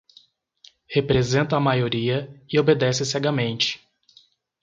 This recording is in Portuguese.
Representa a maioria e obedece cegamente.